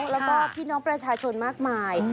แล้วก็พี่น้องประชาชนมากมาย